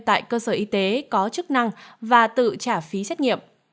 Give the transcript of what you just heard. tại cơ sở y tế có chức năng và tự trả phí xét nghiệm